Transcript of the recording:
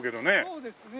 そうですね。